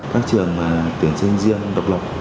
các trường tuyển sinh riêng độc lộc